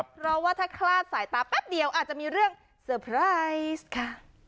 เพราะว่าถ้าคลาดสายตาแป๊บเดียวอาจจะมีเรื่องเซอร์ไพรส์ค่ะ